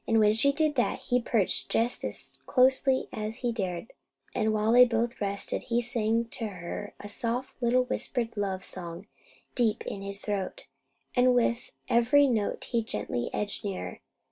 When she did that, he perched just as closely as he dared; and while they both rested, he sang to her a soft little whispered love song, deep in his throat; and with every note he gently edged nearer.